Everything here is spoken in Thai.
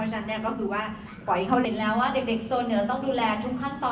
เห็นแล้วว่าเด็กโซนเราต้องดูแลทุกขั้นต่อ